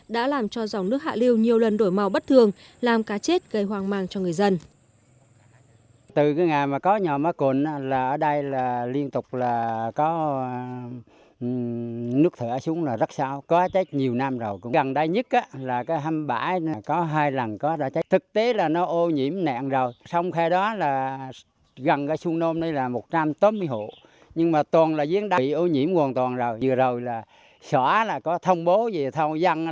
đã làm cho dòng nước hạ liêu nhiều lần đổi màu bất thường làm cá chết gây hoang mang cho người dân